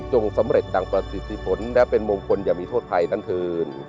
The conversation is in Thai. สำเร็จดังประสิทธิผลและเป็นมงคลอย่างมีโทษภัยนั้นเถิน